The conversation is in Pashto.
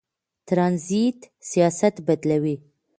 ترانزیت سیاست بدلوي.